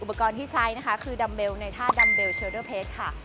อุปกรณ์ที่ใช้คือดัมเบลในท่าดัมเบลเชิลเดิร์เพจค่ะ